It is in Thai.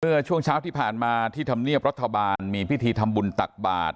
เมื่อช่วงเช้าที่ผ่านมาที่ธรรมเนียบรัฐบาลมีพิธีทำบุญตักบาท